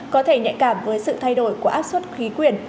có thể nhạy cảm với sự thay đổi của áp suất khí quyền